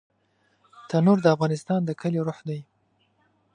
تنور د افغانستان د کليو روح دی